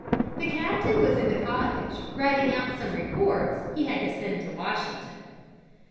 The captain was in the cottage writing out some reports he had to send to Washington.